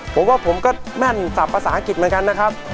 ผมว่าผมก็แม่นสับภาษาอังกฤษเหมือนกันนะครับ